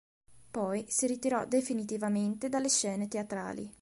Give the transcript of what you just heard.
Poi si ritirò definitivamente dalle scene teatrali.